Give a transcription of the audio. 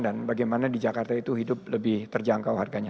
dan bagaimana di jakarta itu hidup lebih terjangkau harganya